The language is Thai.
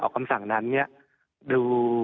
ออกคำสั่งนั้นดู